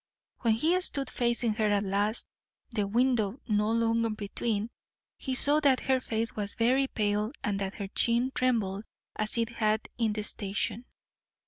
When he stood facing her at last, the window no longer between, he saw that her face was very pale and that her chin trembled as it had in the station.